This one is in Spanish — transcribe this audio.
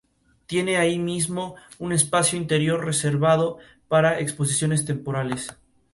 Tiene así mismo un espacio interior reservado para exposiciones temporales.